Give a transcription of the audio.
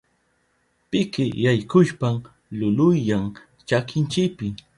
Piki yaykushpan lulunyan chakinchipi.